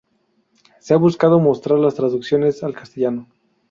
Se ha buscado mostrar las traducciones al castellano.